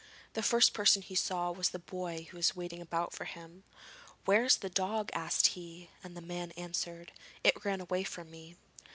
The first person he saw was the boy who was waiting about for him. 'Where is the dog?' asked he, and the man answered: 'It ran away from me.'